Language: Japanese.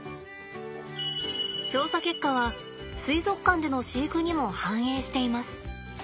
調査結果は水族館での飼育にも反映しています。